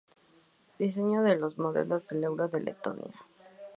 Diseño de los monedas de euro de Letonia